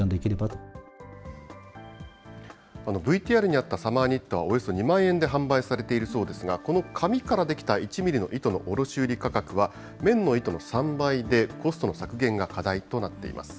ＶＴＲにあったサマーニットは、およそ２万円で販売されているそうですが、この紙から出来た１ミリの糸の卸売り価格は、綿の糸の３倍で、コストの削減が課題となっています。